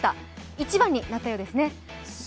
１番になったようですね。